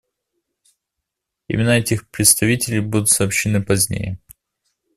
Имена этих представителей будут сообщены позднее.